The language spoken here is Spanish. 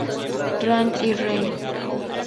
Ran y Rei.